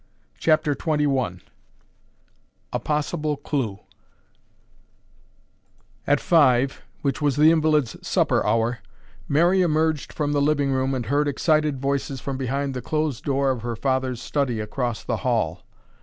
CHAPTER XXI A POSSIBLE CLUE At five, which was the invalid's supper hour, Mary emerged from the living room and heard excited voices from behind the closed door of her father's study across the hall.